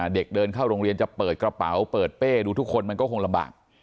เด็กเดินเข้าโรงเรียนจะเปิดกระเป๋าเปิดเป้ดูทุกคนมันก็คงลำบาก